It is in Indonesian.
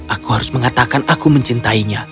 aku harus mengatakan aku mencintainya